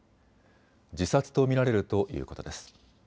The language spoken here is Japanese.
自殺と見られるということです。